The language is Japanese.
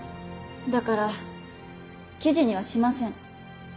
だから記事にはしません。